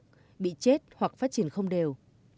cây trè phát triển tốt bị chết hoặc phát triển không đều